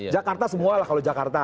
jakarta semualah kalau jakarta